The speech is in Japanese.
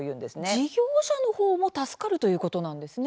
事業者の方も助かるということなんですね。